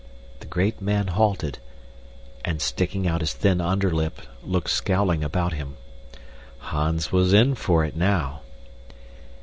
The great man halted and, sticking out his thin underlip, looked scowling about him. Hans was in for it now.